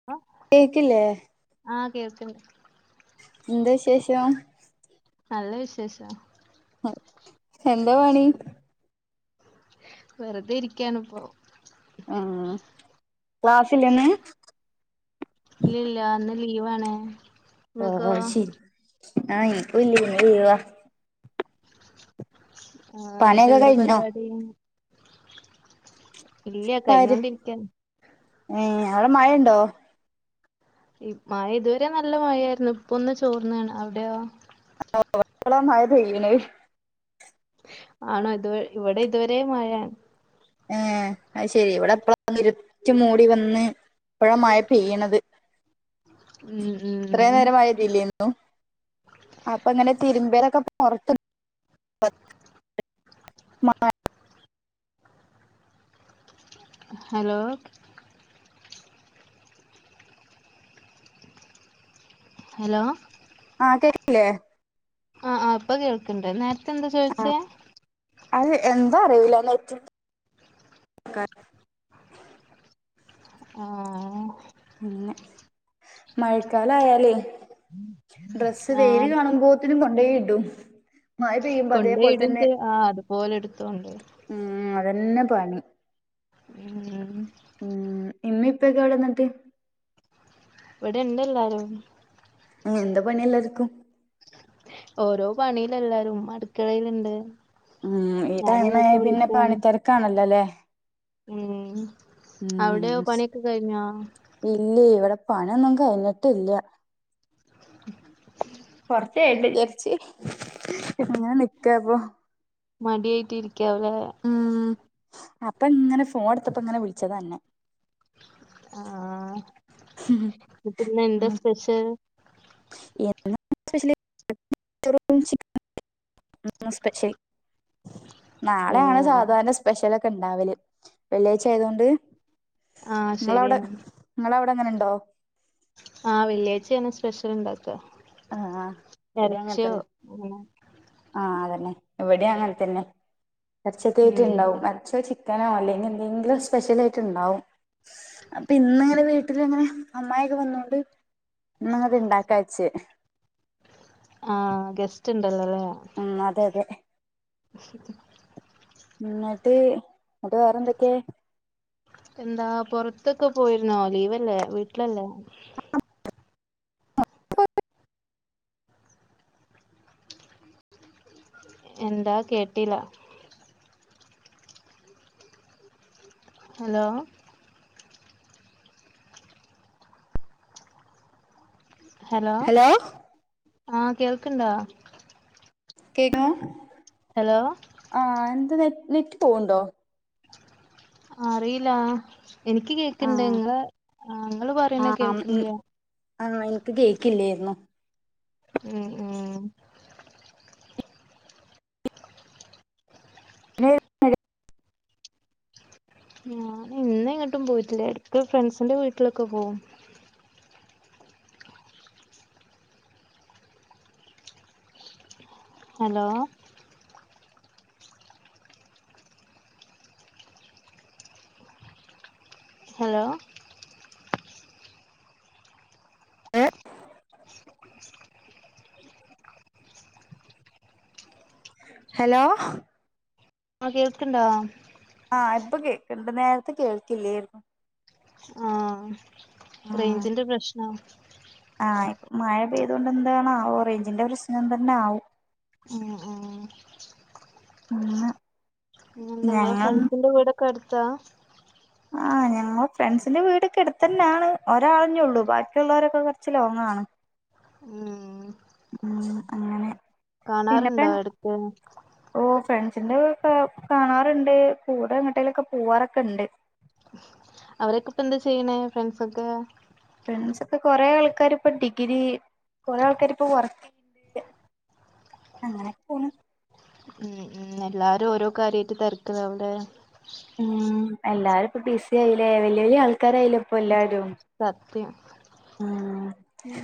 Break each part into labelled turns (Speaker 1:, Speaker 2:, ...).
Speaker 1: [inaudible]
Speaker 2: കേക്കില്ലേ?
Speaker 1: ആഹ് കേക്കണ്ട്
Speaker 2: എന്താ വിശേഷം?
Speaker 1: നല്ല വിശേഷം.
Speaker 2: എന്താ പണി?
Speaker 1: വെറുതെ ഇരിക്കാണ് ഇപ്പൊ.
Speaker 2: ആഹ് ക്ലാസ്സില്ലെന്ന്?
Speaker 1: ഇല്ല ഇല്ല ഇന്ന് ലീവാണ്
Speaker 2: ഓ
Speaker 1: ഇങ്ങക്കോ
Speaker 2: ഓ ശരി ആ ഇനിക്കൂല്ല ഇന്ന് ലീവാ.
Speaker 1: ആഹ് എന്നിട്ട്
Speaker 2: പണിയൊക്കെ
Speaker 1: എന്താ
Speaker 2: കഴിഞ്ഞോ
Speaker 1: പരിപാടി? ഇല്ല കഴിഞ്ഞോണ്ടിരിക്കാണ്.
Speaker 2: മഹ് അവിടെ മഴ ഉണ്ടോ?
Speaker 1: മഴ ഇതുവരെ നല്ല മഴായിരുന്നു ഇപ്പൊന്ന് ചോർന്നണ് അവിടെയോ
Speaker 2: [inaudible] ഇപ്പളാ മഴയാ പെയ്ണത്
Speaker 1: ആണോ ഇത് ഇവിടെ ഇതുവരെ മഴയ
Speaker 2: ഏ അത് ശെരി ഇവിടെ എപ്പ ഇരുട് മൂടി വന്ന് ഇപ്പോഴ മഴ പെയ്ണത്
Speaker 1: ഉം
Speaker 2: ഇത്ര
Speaker 1: ഉം
Speaker 2: നേര മഴപെയ്തിലന്ന അപ്പൊ ഇങ്ങനെ തിര്മ്പേയതെക്കെ പുറത്ത് [unintelligible] മ [inaudible]
Speaker 1: ഹലോ ഹലോ
Speaker 2: ആഹ കേകില്ലേ
Speaker 1: ആ ആ ഇപ്പോൾ കേൾക്ണ്ട് നേർത്തെ എന്താ
Speaker 2: ആ
Speaker 1: ചോയിച്ചേ.
Speaker 2: അത് എന്താ അറിയുല [unintelligible]
Speaker 1: ആഹ
Speaker 2: പിനെ മഴക്കാലയാലേ ഡ്രസ്സ്
Speaker 1: ആഹ്
Speaker 2: വേയല് കാണുമ്പോത്തിനും കൊണ്ടേയ് ഇട്ടും
Speaker 1: കൊണ്ടേയിട് ആ അതുപോലെ എടുത്ത് കൊണ്ടരും
Speaker 2: ഉം അതന്നെ പണി
Speaker 1: ഉം
Speaker 2: ഉ ഇമ്മ ഇപ്പൊക്കെ എവിടെ എന്നിട്ട്
Speaker 1: ഇവിടെ ഇണ്ട് എല്ലാരും.
Speaker 2: എന്ത പണിയല്ലർക്കും.
Speaker 1: ഓരോ പണിൽ എല്ലാരും അട്ക്കളെലണ്ട്
Speaker 2: ഉം ഈ ടൈമ പിന്നെ പണിത്തെരക്കാണല്ലോല്ലേ
Speaker 1: ഉം അവിടെയ പണിയൊക്കെ കഴിഞ്ഞോ.
Speaker 2: ഇല്ലയ് ഇവിടെ പണിന്നും കഴിഞ്ഞിട്ടില്ല
Speaker 1: [inaudible]
Speaker 2: കൊറച്ചായിട്ട് വിചരിച് ഇങ്ങനെ നിക്കപ്പൊ
Speaker 1: മടിയായിട്ടിരിക്കാവൂല്ലേ
Speaker 2: ഉം അപ്പൊ ഇങ്ങനെ ഫോൺ എടുത്തപ്പ ഇങ്ങനെ വിളിച്ചതാ അന്നേ
Speaker 1: ആആ പിന്നെ എന്താ സ്പെഷ്യൽ
Speaker 2: എന്ന [unintelligible] സ്പെഷ്യലി [unintelligible] [inaudible] നാളെയാണ്
Speaker 1: ഓഹ്
Speaker 2: സാധാരണ സ്പെഷ്യലൊക്കെ ഇണ്ടാവല് വെള്ളിയാഴ്ച ആയതൊണ്ട്
Speaker 1: ആഹ്
Speaker 2: നിങ്ങളവിടെ
Speaker 1: ശരിയാണ്
Speaker 2: നിങ്ങള അവിടെ എങ്ങനെ ഉണ്ടോ
Speaker 1: ആഹ വെള്ളിയാഴ്ച്ചിയാണ് സ്പെഷ്യൽ ഇണ്ടാക്ക
Speaker 2: ആഹ്
Speaker 1: ഇറച്ചി അങ്ങനെ
Speaker 2: ആ അതന്നെ എവിടെ അങ്ങനെ തന്നെ [unintelligible]
Speaker 1: ഉം
Speaker 2: ഉണ്ടാവും മരച്ചവെച്ച ക്കാനൊ അല്ലെങ്കിലെന്തെങ്കിലും സ്പെഷ്യലായിട്ടിണ്ടാവും അപ്പൊ ഇന്നലെ വീട്ടിലിങ്ങനെ അമ്മായിയൊക്കെ വന്നോണ്ട് ഇന്നങ്ങട്ടിണ്ടാക്കാവച്ച്
Speaker 1: ആഹ് ഗെസ്റ്റിണ്ടല്ലോല്ലേ
Speaker 2: ഉം അതെ അതെ എന്നട്ട് എന്നട്ട് വേറെന്തൊക്കേ
Speaker 1: എന്താ പുറത്തൊക്കെ പോയിരുന്നോ ലീവല്ലേ വീട്ടിലല്ലേ
Speaker 2: [unintelligible]
Speaker 1: എന്താ കേട്ടീല്ല ഹലോ ഹലോ ആഹ് കേൾക്കിണ്ടാ
Speaker 2: കേക്കണോ
Speaker 1: ഹലോ
Speaker 2: ആഹ് എന്ത് നെ നെറ്റ് പോവുണ്ടോ.
Speaker 1: അറീലാ എനിക്ക് കേക്കിണ്ട്
Speaker 2: ആഹ്
Speaker 1: ങ്ങള് ആഹ് നിങ്ങള് പറിണ കേൾക്ക്ണില്ല.
Speaker 2: അന്ന് എനിക്ക് കേക്കില്ലേരുന്നു
Speaker 1: ഉം ഉം
Speaker 2: [unintelligible]
Speaker 1: ഞാനിന്നെങ്ങട്ടും പോയിട്ടില്ല എടക്ക് ഫ്രണ്ട്സിന്റെ വീട്ടിലൊക്കെ പോവും ഹലോ. ഹലോ.
Speaker 2: ഹലോ.
Speaker 1: ആഹ് കേൾക്കിണ്ടാ
Speaker 2: ആഹ് ഇപ്പൊ കേ‌ക്കിണ്ട് നേരത്തെ കേൾക്കില്ലേരുന്നു
Speaker 1: ആഹ്
Speaker 2: ആഹ്
Speaker 1: റെയ്ഞ്ചിന്റെ പ്രശ്നാ
Speaker 2: ആഹ് ഇ മഴ പെയ്തൊണ്ടെന്താണാവോ റെയ്ഞ്ചിന്റെ പ്രശ്നം തന്നാവും.
Speaker 1: ഉം ഉം
Speaker 2: [unintelligible]
Speaker 1: നിങ്ങള
Speaker 2: ഞങ്ങൾ
Speaker 1: ഫ്രണ്ട്സിന്റെ വീടൊക്കെ അടുത്താ
Speaker 2: ആഹ് ഞങ്ങ ഫ്രെണ്ട്സിൻ്റെ വീടൊക്കെ അടുത്തന്നാണ് ഒരാളന്നേയുള്ളു ബാക്കിയുള്ളവരൊക്കെ കുറച്ച് ലോങ്ങാണ്
Speaker 1: ഉം
Speaker 2: ഉം അങ്ങനെ
Speaker 1: കാണാറുണ്ടോ എടക്ക്
Speaker 2: ഓ ഫ്രണ്ട്സിൻ്റെ വ്ക്കെ കാണാറുണ്ട് കൂടെങ്ങട്ടേലൊക്കെ പോവാറൊക്കണ്ട്.
Speaker 1: അവരൊ‌ക്കിപ്പെന്താ ചെയ്യണേ ഫ്രണ്ട്സൊക്കേ
Speaker 2: ഫ്രണ്ട്സൊക്കെ കൊറേ ആൾക്കാരിപ്പൊ ഡിഗ്രി കൊറേ ആൾക്കാരിപ്പൊ വർക്ക് [inaudible] ണ്ട് അങ്ങനെ പോന്നു
Speaker 1: ഉം ഉം എല്ലാരും ഓരോ കാര്യായിട്ട് തിരക്കിലാവൂല്ലേ
Speaker 2: ഉം എല്ലാരും ഇപ്പ ബിസി ആയില്ലേ വല്ല്യ വല്ല്യ ആൾക്കാരായില്ലെ
Speaker 1: സത്യം ഇം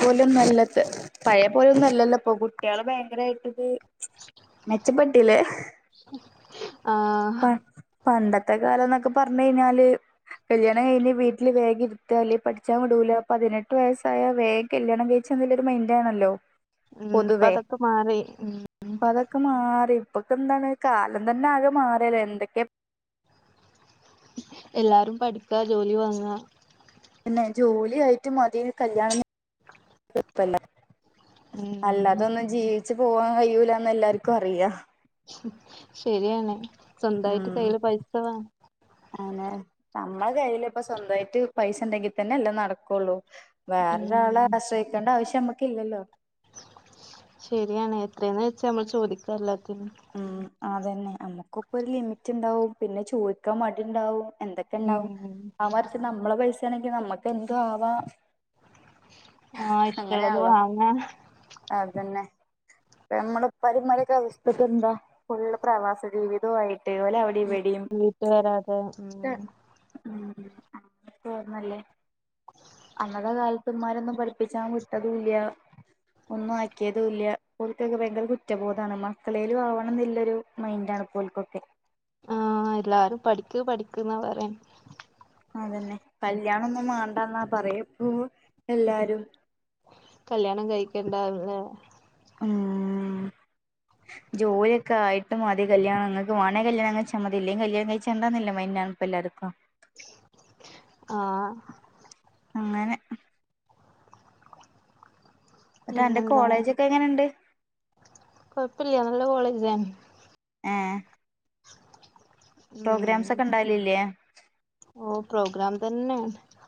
Speaker 2: പോലൊന്നല്ലിപ്പെ പഴേപോലൊന്നും അല്ലലപ്പോ കുട്ടികള് ഭയങ്കരായിട്ടിത് മെച്ചപ്പെട്ടില്ലേ
Speaker 1: ആഹ്
Speaker 2: പ്പ പണ്ടത്തെ കാലംന്നൊക്കെ പർഞ്ഞയ്ഞ്ഞാല് കല്യാണം കഴിഞ്ഞ് വീട്ടില് വേഗിര്ത്ത അല്ലെ പഠി ച്ചാൻ വിടൂല്ലാ പതിനെട്ട് വയസ്സായ വേഗല്യാണം കഴിച്ചന്നെല്ലൊരു മൈൻഡാണല്ലോ
Speaker 1: ഉം ഇപ്പതൊക്കെ മാറി ഉം
Speaker 2: പ്പതൊക്കെ മാറി ഇപ്പൊക്കെന്താണ് കാലം തന്നെ ആകെ മാറ്യലേ എന്തൊക്കെ
Speaker 1: എല്ലാരും പഠിക്ക ജോലി വാങ്ങാ.
Speaker 2: പിന്നെ ജോലിയായിട്ട് മതി കല്യാണം കൊഴപ്പല്ല
Speaker 1: ഉം
Speaker 2: അല്ലാതൊന്നും ജീവിച്ചു പോവാൻ കഴിയൂലാന്ന് എല്ലാർക്കു അറിയാ
Speaker 1: ശരിയാണ് സ്വന്തായിട്ട് കയ്യില് പൈസ വേ
Speaker 2: അങ്ങനെ നമ്മള കയ്യില് ഇപ്പ സ്വന്തമായിട്ട് പൈസ ഉണ്ടെങ്കിൽ തന്നെ എല്ലാം നടക്കുള്ളു വേറൊ
Speaker 1: ഉം
Speaker 2: ഒരാളെ ആശ്രയിക്കേണ്ട ആവശ്യം നമ്മക്ക ഇല്ലല്ലോ
Speaker 1: ശരിയാണ് എത്രയെന്ന് വെച്ചാ നമ്മൾ ചോദിക്കുക എല്ലാത്തിനും
Speaker 2: ഉം അതന്നെ നമ്മുക്ക ഇപ്പൊ ഒരു ലിമിറ്റ് ഉണ്ടാവും പിന്നെ ചോദിക്കാൻ മടി ഉണ്ടാവും എന്തൊക്കെ ഉണ്ടാവും
Speaker 1: ഉം
Speaker 2: ആ മറിച്ച് നമ്മളെ പൈസ ആണെങ്കി നമ്മുക്ക് എന്ത്‌ ആവാ
Speaker 1: ആഹ ഇഷ്ടുള്ളത് വാങ്ങ
Speaker 2: ആഅതന്നെ പിന്നെ നമ്മള് പരിമരക്കെ [unintelligible] ഇക്കെന്താ ഫുള് പ്രവാസ ജീവിത ആയിട്ട് പോലെ അവിടെ
Speaker 1: വീട്ട് വരാതെ ഉം
Speaker 2: ഉം അങ്ങന തന്നല്ലേ
Speaker 1: [inaudible]
Speaker 2: അന്നത്തെ കാലത്ത്ന്മാരൊന്നും പഠിപ്പിച്ചാൻ വിട്ടതല്ല ഒന്നും ആക്കിയതൂല്യ പോക്കൊക്കെ ഭയങ്കര കുറ്റബോധമാണ് മക്കളേലും ആവണം എന്നില്ലരു മൈൻറാണ് പോൽക്കൊക്കെ
Speaker 1: ആഹ എല്ലാരും പഠിക്ക പഠിക്കന്നാ പറയൻ
Speaker 2: അതന്നെ കല്യാണ ഒന്നും മണ്ടന്നാ പറയപ്പ
Speaker 1: കല്യാണം കഴിക്കണ്ടാ ആഹ്
Speaker 2: ഉംം ജോലിയ ഒക്കെ ആയി്ട്ട് മതി കല്യാണം ങ്ങക്ക് വേണേ കല്യാണം കയ്ചാ മതി ഇല്ലേ കല്യാണംഴിച്ചണ്ടാന്നില്ലാന്ന മയ്ൻറാ ഇപ്പ എല്ലാവർക്കും
Speaker 1: ആഹ
Speaker 2: അങ്ങനെ എന്നിട്ട് അന്റെ
Speaker 1: പിന്നെന്താ
Speaker 2: കോളേജൊക്കെ എങ്ങനെണ്ട്
Speaker 1: കൊഴപ്പില്ല നല്ല കോളേജാ
Speaker 2: ഏ പ്രോഗ്രാംസ് ഒക്കെ ഇണ്ടാലില്ലേ
Speaker 1: ഓ പ്രോഗ്രാം തന്നെ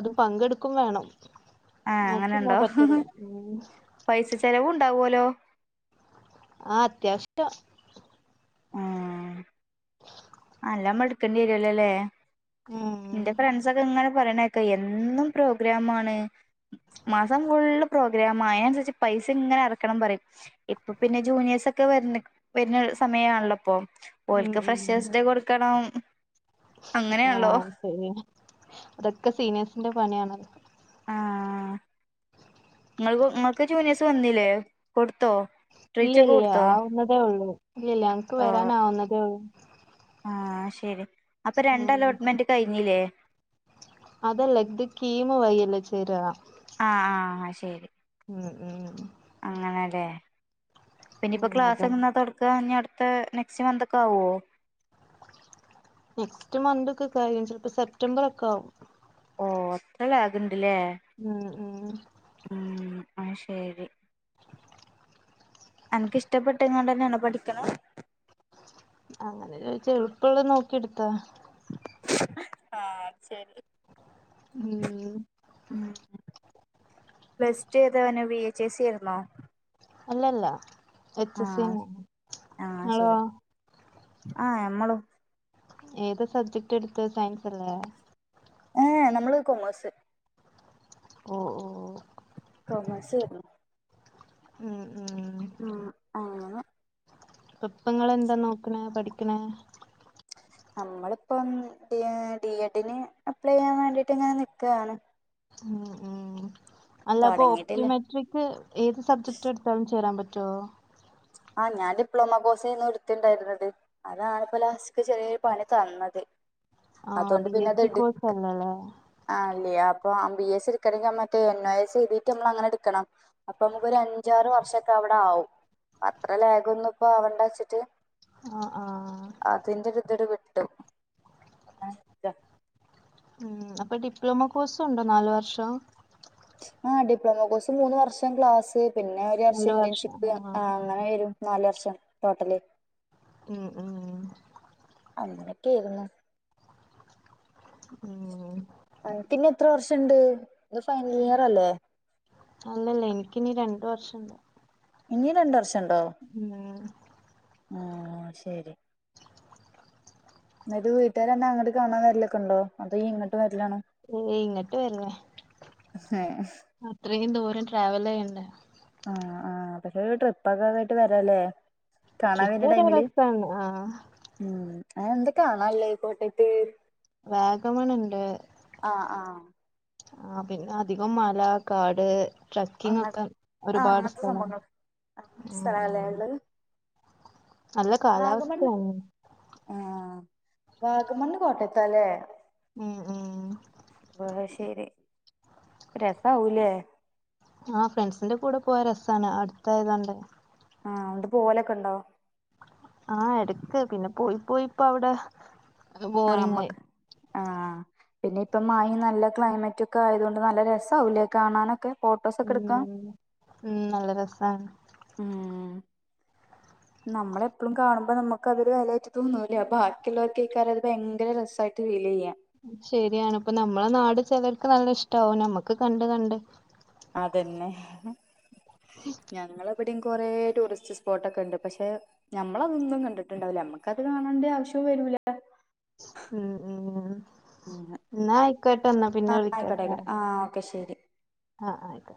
Speaker 1: അതും പങ്കെടുക്കും വേണം
Speaker 2: ആഹ്
Speaker 1: ഓക്കിന്ന
Speaker 2: അങ്ങനെണ്ടോ
Speaker 1: [unintelligible]
Speaker 2: പൈസ ചെലവ് ഉണ്ടാവൂലോ
Speaker 1: ആ അത്യാശ്യഷ്ടം
Speaker 2: ആ
Speaker 1: [unintelligible]
Speaker 2: ആ അല്ലമ്മ എടുക്കേണ്ടി വരില്ലല്ലേ
Speaker 1: ഉം
Speaker 2: എന്റെ ഫ്രണ്ട്സ ഒക്കെ ഇങ്ങനെ പറയണേക്ക എന്നും പ്രോഗ്രാം ആണ് മാസം ഫുള്ള് പ്രോഗ്രാമാ അയിനനുസരിച്ച് പൈസ ഇങ്ങനെ അറക്കണം പറയും ഇപ്പൊ പിന്നെ ജൂനിയേഴസ് ഒക്കെ വര്ണ വരുന്ന സമയ ആണല്ലോപ്പൊ
Speaker 1: ഉം
Speaker 2: ഓലക്ക്
Speaker 1: ഉം
Speaker 2: ഫ്രഷേഴ്സ് ഡേ കൊടുക്കണം അങ്ങനെയാല്ലോ
Speaker 1: [unintelligible] അതൊക്കെ സീനിയേഴ്സിന്റെ പണിയാണല്ലോ
Speaker 2: [unintelligible] ഉമ്മക്ക് ജൂനിയേഴ്സ് വന്നില്ലേ കൊടുത്തോ
Speaker 1: ഇല്ല
Speaker 2: ട്രീറ്റ്സ് ഒക്കെ
Speaker 1: ഇല്ല
Speaker 2: കൊടുത്തോ
Speaker 1: ആവുന്നതേ ഉള്ളൂ ഇല്ലല്ല ഞങ്ങക്ക് വരാനാവുന്നതേ ഉള്ളൂ
Speaker 2: ആ ശരി അപ്പൊ രണ്ട്
Speaker 1: ഉം
Speaker 2: അലോട്ട്മെന്റ് കഴിഞ്ഞില്ലേ
Speaker 1: അതെല്ല ത് കീമ് വയില്ല ചെയരാ
Speaker 2: ആ ആ ശരി
Speaker 1: ഉം ഉം ഉം ഉ
Speaker 2: അങ്ങനെല്ലേ പിന്നയിപ്പോ
Speaker 1: ഉം
Speaker 2: ക്ലാസ്
Speaker 1: അതാണ്
Speaker 2: എങ്ങാ തൊടക്ക അടുത്ത നെ ശാന്തക്കാവോ
Speaker 1: നെക്സ്റ്റ് മന്ത് ഒക്കെ കയ്യും ചിലപ്പോ സെപ്റ്റംബർ ഒക്കെ ആകും
Speaker 2: ഓ അത്ര ലാഗ്ണ്ടല്ലേ
Speaker 1: ഉം ഉം
Speaker 2: ഉം അ ശരി എനക്കിഷ്ടപ്പെട്ടങ്ങാണ്ട് ന്നെയണോ പഠിക്കണ
Speaker 1: അങ്ങനെ ചോയിച്ച എളുപ്പള്ള നോക്കി എടുത്താ
Speaker 2: ആഹ് അത് ശരി
Speaker 1: ഉം
Speaker 2: പ്ലസ് റ്റു ഏതാ വന്നേ വി എച്ച് എ സി ആരുന്നോ
Speaker 1: അല്ലല്ല എച്ച് എസ്
Speaker 2: ആഹ്‌
Speaker 1: സിന്നെ
Speaker 2: ആഹ്
Speaker 1: നിങ്ങളോ
Speaker 2: ശരി ആഹ്‌ എമ്മളും
Speaker 1: ഏത് സബ്ജക്ട് എടുത്തത് സയൻസ് അല്ലേ
Speaker 2: ഏ നമ്മള് കൊമേഴ്സ്
Speaker 1: ഓഹ് ഓഹ്‌
Speaker 2: കൊമേഴ്സ് [unintelligible]
Speaker 1: ഉം ഉം
Speaker 2: ഉം അഹ്
Speaker 1: പ്പങ്ങള് എന്താ നോക്കണെ പഠിക്കണെ
Speaker 2: നമ്മളിപ്പം ഡി ഡി എഡിന് അപ്ലൈ ചെയ്യാൻ വേണ്ടിട്ട് ഇങ്ങനെ നിക്കാണ്
Speaker 1: ഉ ഉം അല്ലപ്പൊ
Speaker 2: തൊടങ്ങിട്ടില്ല
Speaker 1: ഒപ്റ്റിമറ്റ് തിപ്പൊ ഏത് സബ്ജക്ട് എടുത്താലും ചേരാൻ പറ്റോ?
Speaker 2: ആഹ് ഞൻ ഡിപ്ലോമ കോഴ്സയിനു എടുത്തിണ്ടായിരുന്നത് അതാണിപ്പോ ലാസ്റ്റ്ക് ചെറിയൊരു പണി തന്നത്
Speaker 1: ആഹ് ബി എസ് സി കോഴ്സ് അല്ലല്ലേ?
Speaker 2: ആ അല്ല അപ്പം ബി എസ് എടുക്കണെങ്കിൽ മറ്റേ എൻ ഒ എസ് എഴതിട്ട് നമ്മൾ അങ്ങനെ എടുക്കണം അപ്പൊ നമുക്കൊരു അഞ്ചാറ് വർഷൊക്കെ അവിടെ ആവും അത്ര ലേഖ് ഒന്നും ഇപ്പൊ ആവണ്ട ച്ചിട്ട്
Speaker 1: ആഹ്‌ ആഹ്‌....
Speaker 2: അതിന്റെ ഒരുതിഡ് വിട്ടും ‌
Speaker 1: ഉം അപ്പൊ ഡിപ്ലോമ കോഴ്സ്‌ ഉണ്ടോ? നാലു വർഷം
Speaker 2: ആഹ് ഡിപ്ലോമ കോഴ്സ് മൂന്ന് വർഷം ക്ലാസ് പിന്നെ ഒരു വർഷം ഇന്റേൺഷിപ്പ് ആഹ് അങ്ങനെയിരുന്നു നാല് വർഷം ടോട്ടല്
Speaker 1: ഉം ഉം ഉം...
Speaker 2: അങ്ങനെക്കെയിരുന്നു
Speaker 1: ഉം...
Speaker 2: ആഹ് പിന്നെ എത്ര വർഷണ്ട് ഇത് ഫൈനൽ ഇയർ അല്ലേ
Speaker 1: അല്ലല്ല എനിക്കിനീ രണ്ടു വർഷണ്ട്
Speaker 2: ഇനിം രണ്ട് വർഷണ്ടോ?
Speaker 1: ഉം
Speaker 2: ആ ശരി അത് വീട്ടാര് ന്നെ അങ്ങട്ട് കാണാൻ വരലൊക്കെണ്ടോ അതോ ഇ ങ്ങട്ട് വരലാണോ?
Speaker 1: ഏയ് ഇങ്ങട്ട് വരുന്നേ
Speaker 2: ഏ
Speaker 1: അത്രയും ദൂരം ട്രാവല് യ്യണ്ടേ
Speaker 2: ആഹ് ആഹ് പ്പ് ട്രിപ്പ്ക്കെകൊയിട്ട് വരല്ലേ
Speaker 1: ട്രിപ്പ്‌ [unintelligible] രവസ്ഥാണ് ആഹ്
Speaker 2: ഉം അ എന്ത്‌ കാണായില്ലേ കോട്ടയത്ത്?
Speaker 1: വഗമണുണ്ട്
Speaker 2: ആഹ് ആഹ്
Speaker 1: ആഹ് പിന്നെ അധികം മല കാട് ട്രക്കിങ്
Speaker 2: അങ്ങ
Speaker 1: ഒക്കെ
Speaker 2: ആഹ്
Speaker 1: ഒരുപാട്
Speaker 2: അങ്ങനത്തെ
Speaker 1: സ്ഥല
Speaker 2: സംഭവങ്ങൾ അങ്ങനത്തെ
Speaker 1: ഉം
Speaker 2: സ്ഥലല്ലേ
Speaker 1: ഉം നല്ല
Speaker 2: വാഗമണ്ണ്
Speaker 1: കാലാവസ്ഥയാണ്
Speaker 2: ആഹ് വാഗമണ്ണ് കോട്ടയത്താല്ലേ
Speaker 1: ഉം ഉം
Speaker 2: ഓഹ് ശെരി രസാവൂല്ലേ
Speaker 1: ആഹ് ഫ്രണ്ട്സിന്റെ കൂടെ പോയ രസാണ് അടുത്തായതോണ്ടേ
Speaker 2: ആഹ് അങ്ങട് പോവലൊക്കെ ഉണ്ടോ?
Speaker 1: ആഹ് എടക്ക് പിന്നെ പോയി പോയി പ്പവിടെ
Speaker 2: ആഹ് മ്മക്ക് ആഹ് പിന്നെ ഇപ്പം മായും നല്ല ക്ലൈമറ്റ് ഒക്കെ ആയതൊണ്ട് നല്ല രസാവുല്ലേ കാണാനൊക്കെ ഫോട്ടോസൊക്കെ എടുക്കാം
Speaker 1: ഉം ഉം നല്ല രസാണ്
Speaker 2: ഉം നമ്മളെപ്പോഴും കാണുമ്പോ നമുക്കതൊരു വെലായിട്ട് തോന്നൂല്ല ബാക്കിയുള്ളവർക്ക് കേക്കാര അത് ഭയങ്കര രസമായിട്ട് ഫീല് യ്യ [unintelligible]
Speaker 1: ശരിയാണ് ഇപ്പ നമ്മളെ നാട് ചിലർക്ക് നല്ല ഇഷ്ടാവും നമ്മുക്ക് കണ്ട് കണ്ട്
Speaker 2: അത് ന്നെ [unintelligible] ഞങ്ങള് ഇവിടെയും കുറേ ടൂറിസ്റ്റ് സ്പോട്ടൊക്കെ ഉണ്ട് പക്ഷെ ഞമ്മളതൊന്നും കണ്ടിട്ടുണ്ടാവില്ല നമ്മക്ക അത് കാണേണ്ട ആവശ്യവും വരൂല
Speaker 1: ഉം ഉം
Speaker 2: ഉം
Speaker 1: ന്നാ ആയിക്കോട്ടന്നാ പിന്നെ വിളിക്കാട്ടാ
Speaker 2: ആഹ് ഓക്കെ ശരി
Speaker 1: ആഹ് ആഹ് ആയിക്